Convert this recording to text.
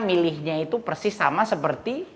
milihnya itu persis sama seperti